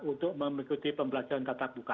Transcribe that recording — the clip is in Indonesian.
untuk mengikuti pembelajaran tata buka